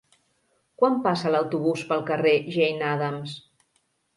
Quan passa l'autobús pel carrer Jane Addams?